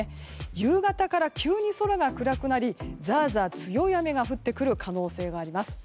夕方から急に空が暗くなりザーザー強い雨が降ってくる可能性があります。